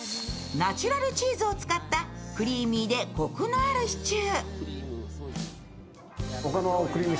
ナチュラルチーズを使ったクリーミーでこくのあるシチュー。